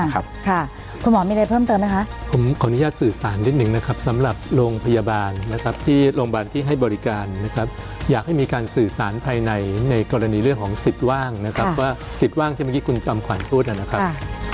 คุณหมอมีอะไรเพิ่มเติมไหมคะผมขออนุญาตสื่อสารนิดนึงนะครับสำหรับโรงพยาบาลนะครับที่โรงพยาบาลที่ให้บริการนะครับอยากให้มีการสื่อสารภายในในกรณีเรื่องของสิทธิ์ว่างนะครับว่าสิทธิ์ว่างที่เมื่อกี้คุณจอมขวัญพูดนะครับ